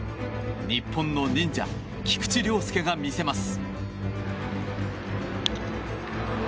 日本の忍者・菊池涼介が魅せます。